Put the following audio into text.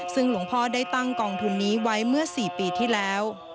ซึ่งหลวงพ่อได้ตั้งกองทุนนี้ไว้เมื่อ๔ปีที่แล้ว